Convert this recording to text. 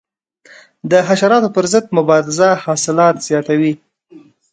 د حشراتو پر ضد مبارزه حاصلات زیاتوي.